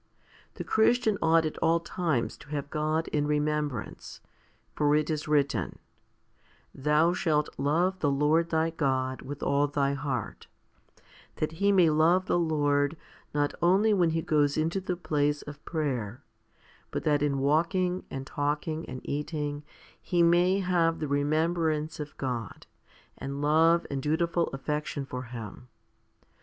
The Christian ought at all times to have God in remembrance ; for it is written, Thou shalt love the Lord thy God with all thy heart',* that he may love the Lord not only when he goes into the place of prayer, but that in walking, and talking, and eating, rje may have the remembrance of God, and love and dutiful affection for Him.